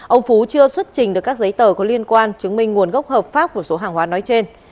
ông phú chưa xuất trình được các giấy tờ có liên quan chứng minh nguồn gốc hợp pháp của số hàng hóa nói trên